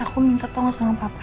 aku minta tolong sama papa